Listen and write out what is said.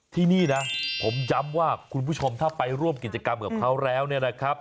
ที่นี่นะผมย้ำว่าคุณผู้ชมถ้าไปร่วมกิจกรรมกับเขาแล้วเนี่ยนะครับ